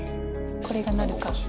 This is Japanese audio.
これがなるか。